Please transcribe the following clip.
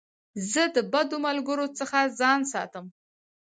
زه د بدو ملګرو څخه ځان ساتم.